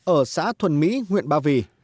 ở xã thuần mỹ nguyện bà vị